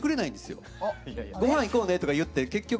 ごはん行こうねとか言って結局。